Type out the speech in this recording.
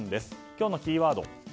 今日のキーワード